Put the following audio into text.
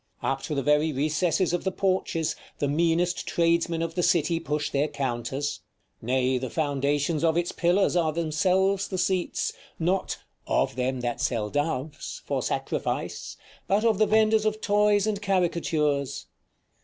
Up to the very recesses of the porches, the meanest tradesmen of the city push their counters; nay, the foundations of its pillars are themselves the seats not "of them that sell doves" for sacrifice, but of the vendors of toys and caricatures.